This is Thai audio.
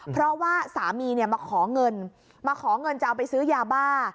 เพราะว่าสามีเนี่ยมาขอเงินมาขอเงินจะเอาไปซื้อยาบ้า